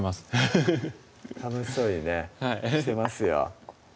フフフ楽しそうにねしてますよ